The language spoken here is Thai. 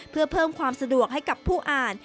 เพื่อเพิ่มความสะดวกให้กับผู้อ่าน